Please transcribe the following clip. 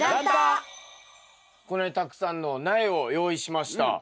これたくさんの苗を用意しました。